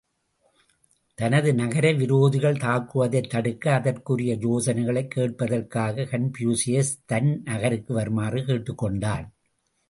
தனது நகரை விரோதிகள் தாக்குவதைத் தடுக்க, அதற்குரிய யோசனைகளைக் கேட்பதற்காகக் கன்பூசியசைத் தன் நகருக்கு வருமாறு கேட்டுக் கொண்டான்.